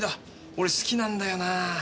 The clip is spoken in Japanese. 俺好きなんだよなぁ。